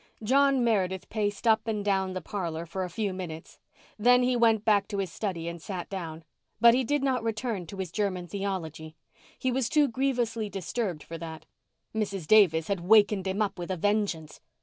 John Meredith paced up and down the parlour for a few minutes; then he went back to his study and sat down. But he did not return to his German theology. He was too grievously disturbed for that. Mrs. Davis had wakened him up with a vengeance.